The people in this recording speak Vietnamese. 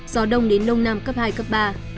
gió đông đến lông nam cấp hai cấp ba